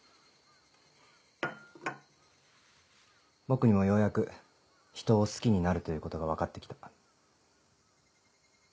僕にもようやく人を好きになるということが分かって来た。